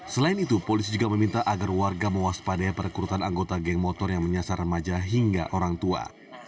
selain itu polisi juga meminta agar warga mewaspadai perekrutan anggota geng motor yang menyasar remaja hingga orang tua